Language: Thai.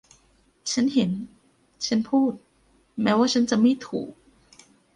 ฉันเห็นฉันพูดแม้ว่าฉันจะไม่ถูก